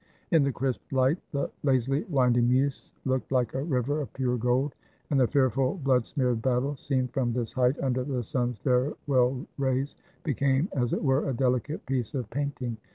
In the crisp light, the lazily winding Meuse looked like a river of pure gold, and the fearful blood smeared battle, seen from this height, under the sun's farewell rays, became as it were a delicate piece of paint ing.